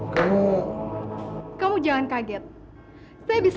terbakarmu berlakunya sebelumnya